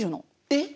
えっ！